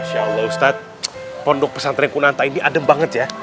insya allah ustadz pondok pesantren kunanta ini adem banget ya